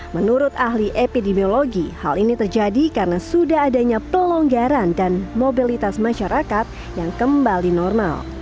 menurut ahli epidemiologi hal ini terjadi karena sudah adanya pelonggaran dan mobilitas masyarakat yang kembali normal